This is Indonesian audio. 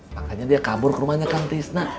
makanya dia kabur ke rumahnya kan tisna